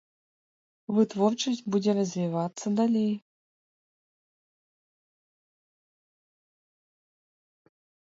Вытворчасць будзе развівацца далей.